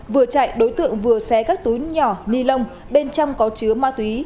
vừa chạy đối tượng vừa xé các túi nhỏ ni lông bên trong có chứa ma túy